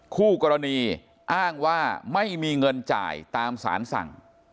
คู่กรณีอ้างว่าไม่มีเงินจ่ายตามสารสั่ง